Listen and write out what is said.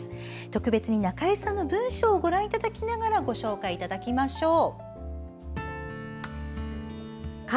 特別に中江さんの文章を見ながらご紹介しましょう。